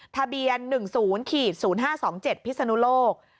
ทะเบียน๑๐๐๕๒๗พิศนุโลก